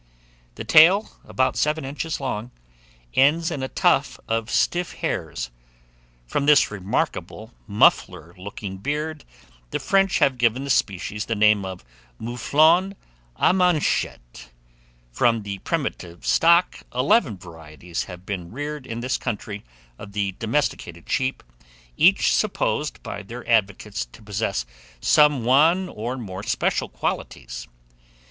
The tail, about seven inches long, ends in a tuft of stiff hairs. From this remarkable muffler looking beard, the French have given the species the name of Mouflon à manchettes. From the primitive stock eleven varieties have been reared in this country, of the domesticated sheep, each supposed by their advocates to possess some one or more special qualities.